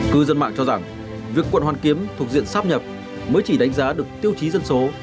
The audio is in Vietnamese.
cư dân mạng cho rằng việc quận hoàn kiếm thuộc diện sắp nhập mới chỉ đánh giá được tiêu chí dân số